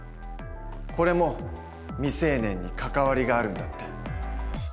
これも未成年に関わりがあるんだって。